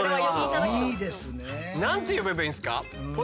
何て呼べばいいんですか？